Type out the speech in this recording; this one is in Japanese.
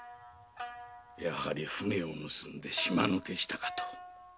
やはり舟を盗んで島抜けしたかと。